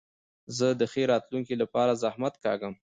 زه د ښې راتلونکي له پاره زحمت کاږم.